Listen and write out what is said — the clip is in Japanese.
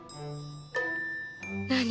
何？